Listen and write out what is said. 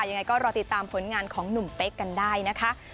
ยังไงก็รอติดตามผลงานของหนุ่มเป๊กกันได้นะคะ